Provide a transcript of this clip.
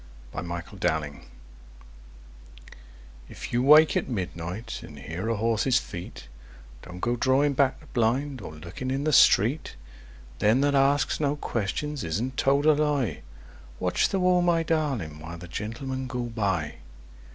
A SMUGGLERS' SONG If you wake at midnight, and hear a horse's feet, Don't go drawing back the blind, or looking in the street, Them that ask no questions isn't told a lie. Watch the wall, my darling, while the Gentlemen go by!